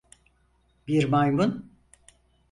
Bir maymun.